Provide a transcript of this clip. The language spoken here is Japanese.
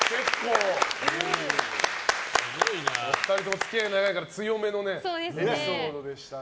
お二人とも付き合いが長いから強めのエピソードでしたが。